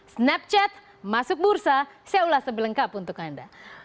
snapchat masuk bursa saya ulas lebih lengkap untuk anda